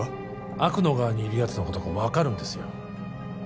悪の側にいるやつのことが分かるんですよ